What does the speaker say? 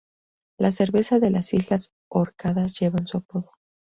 La cerveza de las Islas Orcadas, lleva su apodo.